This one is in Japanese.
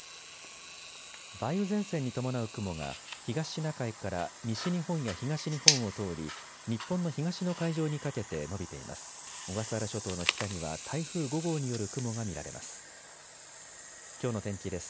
梅雨前線に伴う雲が東シナ海から西日本や東日本を通り、日本の東の海上にかけて延びています。